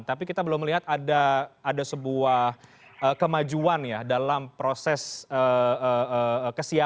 tapi kita belum melihat ada sebuah kemajuan ya dalam proses kesiapan